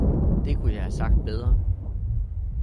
Det kunne jeg have sagt bedre